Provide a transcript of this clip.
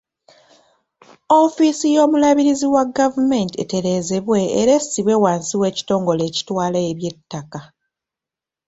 Ofiisi y’omubalirizi wa gavumenti etereezebwe era essibwe wansi w’ekitongole ekitwala eby'ettaka.